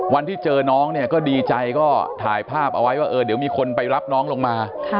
วันที่เจอน้องเนี่ยก็ดีใจก็ถ่ายภาพเอาไว้ว่าเออเดี๋ยวมีคนไปรับน้องลงมา